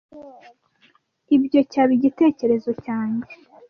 Ibyo cyaba igitekerezo cyanjye.